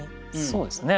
そうですね